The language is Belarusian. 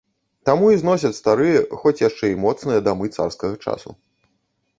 Таму і зносяць старыя, хоць яшчэ і моцныя дамы царскага часу.